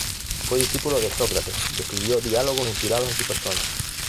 Fue discípulo de Sócrates y escribió diálogos inspirados en su persona.